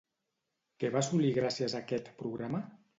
Què va assolir gràcies a aquest programa?